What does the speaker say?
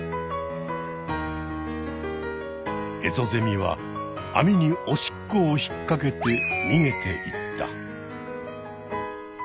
エゾゼミは網にオシッコを引っかけてにげていった。